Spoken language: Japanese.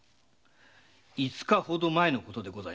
五日ほど前のことでございました。